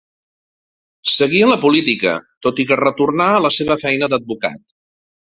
Seguí en la política, tot i que retornà a la seva feina d'advocat.